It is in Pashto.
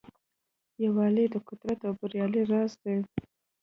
یووالی د قوت او بریا راز دی.